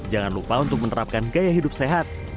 jangan lupa untuk menerapkan gaya hidup sehat